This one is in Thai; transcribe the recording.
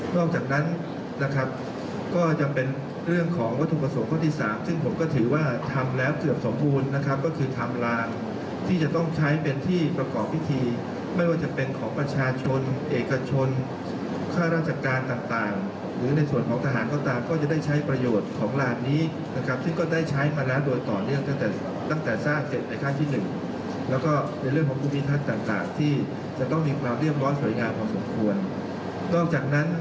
นอกจากนั้นนะครับก็จะเป็นเรื่องของวัตถุประสงค์ข้อที่สามซึ่งผมก็ถือว่าทำแล้วเกือบสมบูรณ์นะครับก็คือทำร้านที่จะต้องใช้เป็นที่ประกอบพิธีไม่ว่าจะเป็นของประชาชนเอกชนค่าราชการต่างต่างหรือในส่วนของทหารก็ตามก็จะได้ใช้ประโยชน์ของร้านนี้นะครับซึ่งก็ได้ใช้มาแล้วโดยต่อเนื่องตั้งแต่ตั้งแต